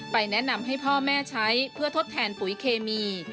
แนะนำให้พ่อแม่ใช้เพื่อทดแทนปุ๋ยเคมี